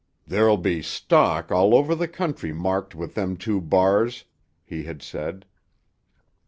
"There'll be stock all over the country marked with them two bars," he had said.